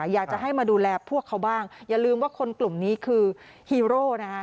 อยากจะให้มาดูแลพวกเขาบ้างอย่าลืมว่าคนกลุ่มนี้คือฮีโร่นะฮะ